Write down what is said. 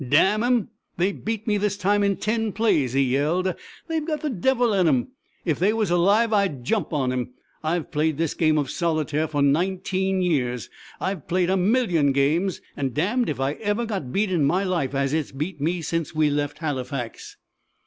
"Damn 'em they beat me this time in ten plays!" he yelled. "They've got the devil in 'em! If they was alive I'd jump on 'em! I've played this game of solitaire for nineteen years I've played a million games an' damned if I ever got beat in my life as it's beat me since we left Halifax!"